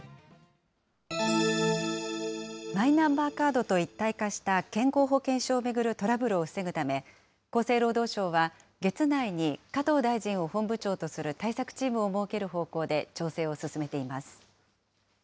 マイナンバーカードと一体化した健康保険証を巡るトラブルを防ぐため、厚生労働省は月内に加藤大臣を本部長とする対策チームを設ける方向で調整を進めています。